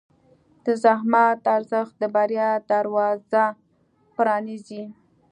د زحمت ارزښت د بریا دروازه پرانیزي.